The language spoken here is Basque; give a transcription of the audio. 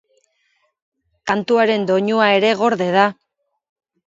Kantuaren doinua ere gorde da.